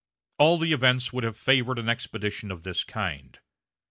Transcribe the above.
All the events would have favored an expedition of this kind.